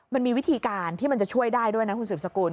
มันมีวิธีการที่มันจะช่วยได้ด้วยนะคุณสืบสกุล